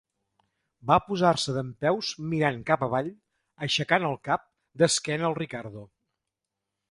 Va posar-se dempeus mirant cap avall, aixecant el cap, d'esquena al Ricardo.